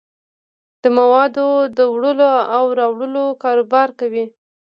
د موادو دوړلو او راوړلو کاروبار کوي.